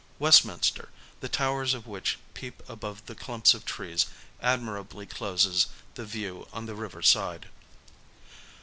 Westminster, the towers of which peep above the clumps of trees, admirably closes the view on the river side.